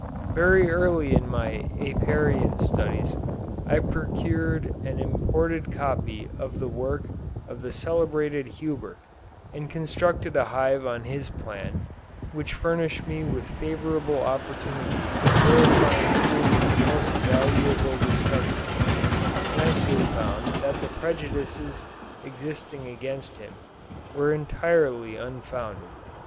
Very early in my Apiarian studies, I procured an imported copy of the work of the celebrated Huber, and constructed a hive on his plan, which furnished me with favorable opportunities of verifying some of his most valuable discoveries; and I soon found that the prejudices existing against him, were entirely unfounded.